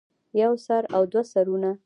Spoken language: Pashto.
يو سر او دوه سرونه